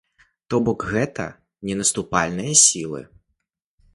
То бок, гэта не наступальныя сілы.